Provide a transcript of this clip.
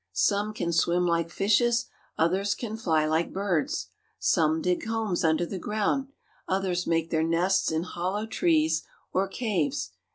Some can swim like fishes; others can fly like birds. Some dig homes under the ground; others make their nests in hollow trees or caves.